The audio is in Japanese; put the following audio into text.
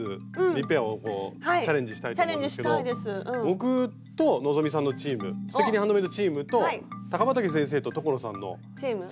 僕と希さんのチーム「すてきにハンドメイドチーム」と高畠先生と所さんのチームで。